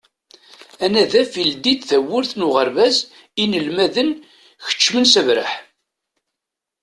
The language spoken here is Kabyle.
Anadaf ileddi-d tawwurt n uɣerbaz, inelmaden keččmen s abraḥ.